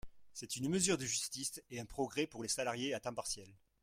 C’est une mesure de justice et un progrès pour les salariés à temps partiel.